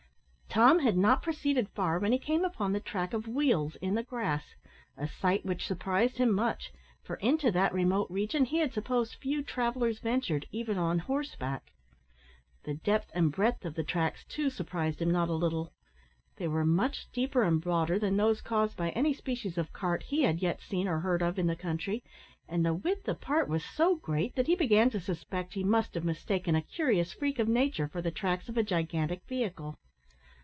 Tom had not proceeded far when he came upon the track of wheels in the grass, a sight which surprised him much, for into that remote region he had supposed few travellers ventured, even on horseback. The depth and breadth of the tracks, too, surprised him not a little. They were much deeper and broader than those caused by any species of cart he had yet seen or heard of in the country, and the width apart was so great, that he began to suspect he must have mistaken a curious freak of nature for the tracks of a gigantic vehicle.